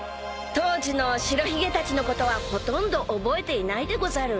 ［当時の白ひげたちのことはほとんど覚えていないでござる］